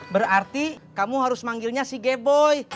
berarti kamu harus manggilnya si g boy